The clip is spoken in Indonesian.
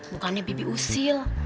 bukannya bibi usil